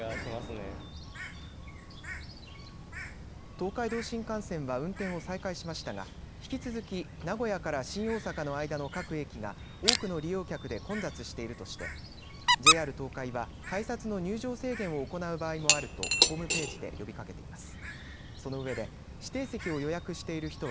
東海道新幹線は運転を再開しましたが引き続き名古屋から新大阪の間の各駅が多くの利用客で混雑しているとしてＪＲ東海は改札の入場制限を行う場合もあるとホームページで呼びかけています。